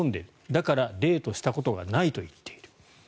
だから、デートしたことがないと言っている。